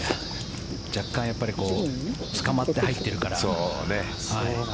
若干、つかまって入ってるから。